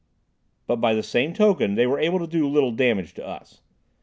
But by the same token they were able to do little damage to us.